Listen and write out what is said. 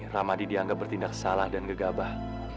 ramadi dianggap bertindak salah dan gegabah